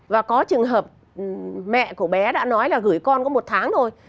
và có trường hợp mẹ của bé đã nói là gửi con có một tháng rồi